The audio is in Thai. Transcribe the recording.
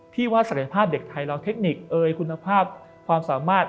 ว่าศักยภาพเด็กไทยเราเทคนิคคุณภาพความสามารถ